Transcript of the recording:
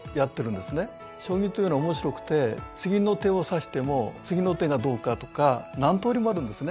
将棋というのは面白くて次の手を指しても次の手がどうかとか何通りもあるんですね。